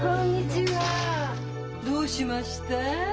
どうしました？